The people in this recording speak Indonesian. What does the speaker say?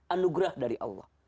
anugerah dari allah